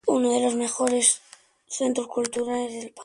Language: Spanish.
Uno de los mejores centros culturales del país".